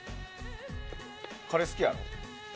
カレー好きやろ？